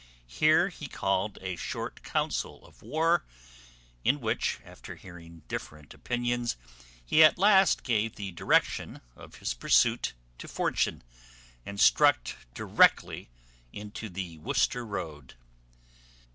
Here he called a short council of war, in which, after hearing different opinions, he at last gave the direction of his pursuit to fortune, and struck directly into the Worcester road.